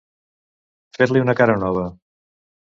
Fer-li una cara nova.